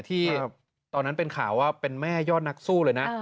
ที่ตอนนั้นเป็นข่าวว่าเป็นแม่ยอดนักสู้เลยนะ